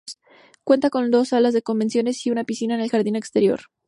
Cuenta con dos salas de convenciones y una piscina en el jardín exterior.